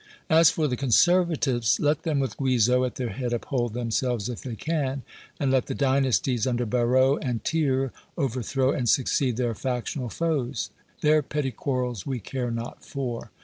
As for the Conservatives, let them with Guizot at their head, uphold themselves if they can, and let the dynasties under Barrot and Thiers overthrow and succeed their factional foes. Their petty quarrels we care not for.